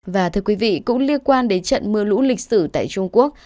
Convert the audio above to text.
và thưa quý vị cũng liên quan đến trận mưa lũ lịch sử tại trung quốc